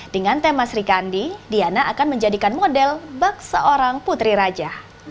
dengan tema sri kandi diana akan menjadikan model bak seorang putri raja